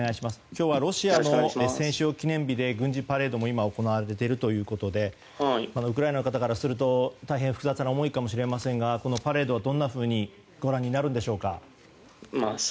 今日はロシアの戦勝記念日で軍事パレードも今行われているということでウクライナの方からすると大変、複雑な思いかと思いますがこのパレードはどんなふうにご覧になるんでしょうか。